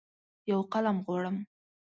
یوقلم غواړم